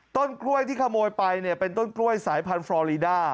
ต้นกล้วยที่ขโมยไปเนี่ยเป็นต้นกล้วยสายพันธุ์ฟรอลีด้า